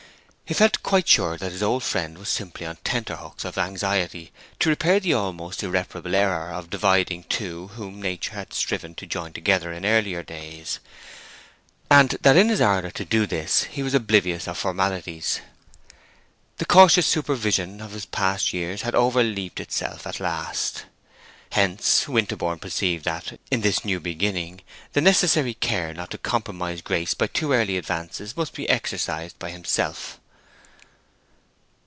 He felt quite sure that his old friend was simply on tenterhooks of anxiety to repair the almost irreparable error of dividing two whom Nature had striven to join together in earlier days, and that in his ardor to do this he was oblivious of formalities. The cautious supervision of his past years had overleaped itself at last. Hence, Winterborne perceived that, in this new beginning, the necessary care not to compromise Grace by too early advances must be exercised by himself.